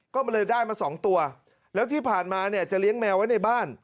ก็เลยได้มาสองตัวแล้วที่ผ่านมาเนี่ยจะเลี้ยงแมวไว้ในบ้าน